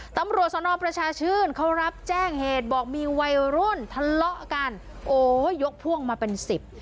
ตำรวจสนประชาชื่นเขารับแจ้งเหตุบอกมีวัยรุ่นทะเลาะกันโอ้ยยกพ่วงมาเป็นสิบ